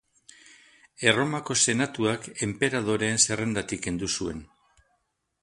Erromako Senatuak enperadoreen zerrendatik kendu zuen.